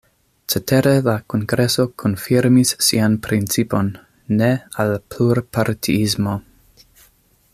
Cetere la kongreso konfirmis sian principon: ne al plurpartiismo.